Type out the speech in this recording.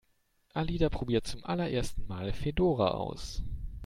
Alida probiert zum allerersten Mal Fedora aus.